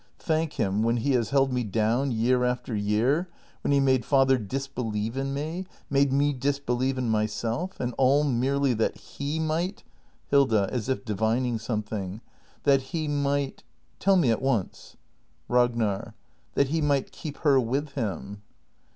] Thank him, when he has held me down year after year! When he made father disbelieve in me — made me disbelieve in myself! And all merely that he might ! Hilda. [As if divining something .] That he might ? Tell me at once! Ragnar. That he might keep her with him.